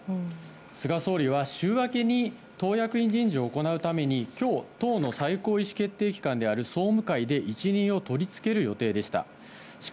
菅総理は週明けに党役員人事を行うために、きょう、党の最高意思決定機関である総務会で一任を取り付ける予定でした。